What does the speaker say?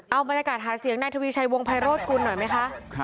เอาบรรยากาศหาเสียงนายทวีชัยวงไพโรธกุลหน่อยไหมคะ